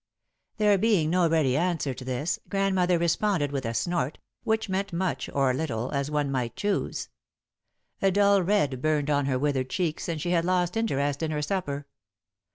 There being no ready answer to this, Grandmother responded with a snort, which meant much or little, as one might choose. A dull red burned on her withered cheeks and she had lost interest in her supper.